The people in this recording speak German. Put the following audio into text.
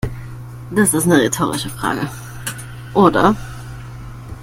Das ist eine rhetorische Frage, oder?